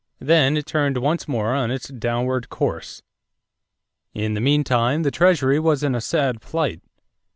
Then it turned once more on its downward course. In the meantime the Treasury was in a sad plight.